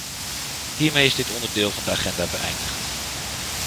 Hiermee is dit onderdeel van de agenda beëindigd.